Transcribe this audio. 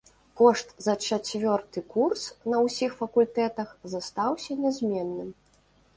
Кошт за чацвёрты курс на ўсіх факультэтах застаўся нязменным.